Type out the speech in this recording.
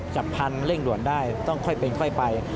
จับพันธุ์เร่งด่วนได้ต้องค่อยเป็นค่อยไป